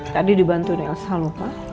tadi dibantu nih asal lupa